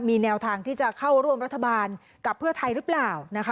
มีแนวทางที่จะเข้าร่วมรัฐบาลกับเพื่อไทยหรือเปล่านะคะ